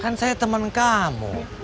kan saya temen kamu